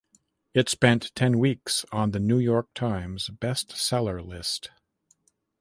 It spent ten weeks on "The New York Times" Best Seller list.